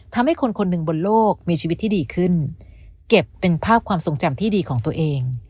ทำให้คนคนหนึ่งบนโลกมีชีวิตที่ดีขึ้นเก็บเป็นภาพความทรงจำที่ดีของตัวเอง